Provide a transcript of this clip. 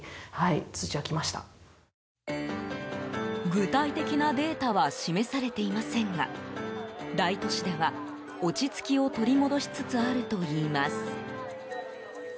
具体的なデータは示されていませんが大都市では、落ち着きを取り戻しつつあるといいます。